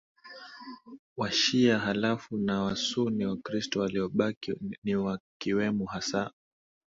Washia halafu na Wasuni Wakristo waliobaki niwakiwemo hasa